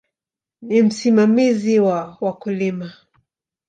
Ni msimamizi wa wakulima.